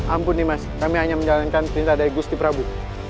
ampun nih mas kami hanya menjalankan perintah dari gusti prabu